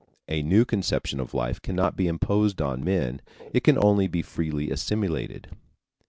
A new conception of life cannot be imposed on men; it can only be freely assimilated.